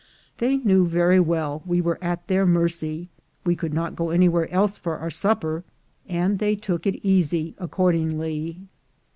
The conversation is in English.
They knew very well we were at their mercy — we could not go anywhere else for our supper — and they took it easy accordingly.